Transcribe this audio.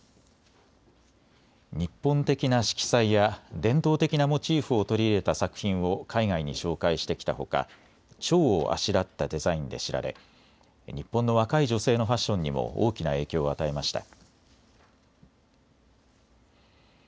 日本的な色彩や伝統的なモチーフを取り入れた作品を海外に紹介してきたほかちょうをあしらったデザインで知られ日本の若い女性のファッションにも大きな影響を与えました。